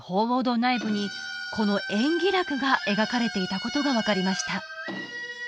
内部にこの延喜楽が描かれていたことが分かりました